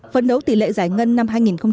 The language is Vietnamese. phấn đấu tỷ lệ giải ngân năm hai nghìn hai mươi